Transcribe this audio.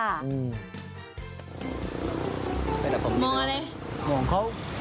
มองอะไรมองเขา